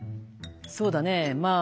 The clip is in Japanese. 「そうだねぇまあ